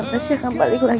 tapi dekat di doa